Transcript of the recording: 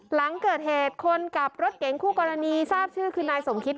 หลังเกิดเหตุคนกับรถเก๋งคู่กรณีทราบชื่อคือนายสมคิต